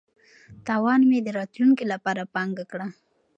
تاوان مې د راتلونکي لپاره پانګه کړه.